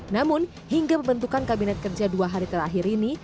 namun hingga pembentukan kabinet kerja dua hari terakhir ini